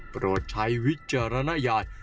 โปรดใช้วิจารณญาณ